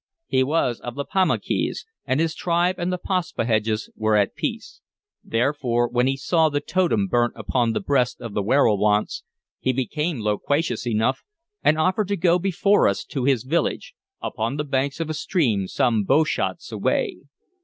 He was of the Pamunkeys, and his tribe and the Paspaheghs were at peace; therefore, when he saw the totem burnt upon the breast of the werowance, he became loquacious enough, and offered to go before us to his village, upon the banks of a stream, some bowshots away.